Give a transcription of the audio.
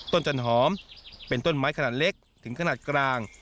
จันหอมเป็นต้นไม้ขนาดเล็กถึงขนาดกลาง